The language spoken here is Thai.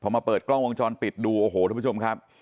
พอมาเปิดกล้องวงจรปิดดูโอ้โหทุกผู้ชมครับ